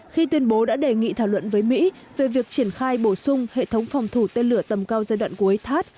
và hàn quốc đã đề nghị thảo luận với mỹ về việc triển khai bổ sung hệ thống phòng thủ tên lửa tầm cao giai đoạn cuối thaad